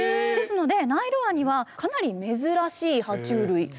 ですのでナイルワニはかなり珍しいは虫類。